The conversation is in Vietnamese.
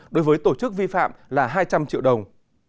đối với tổ chức vi phạm là hai trăm linh triệu đồng